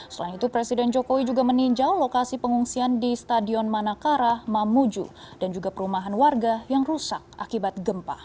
selain itu presiden jokowi juga meninjau lokasi pengungsian di stadion manakara mamuju dan juga perumahan warga yang rusak akibat gempa